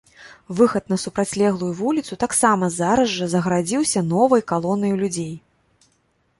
Выхад на супрацьлеглую вуліцу таксама зараз жа загарадзіўся новай калонаю людзей.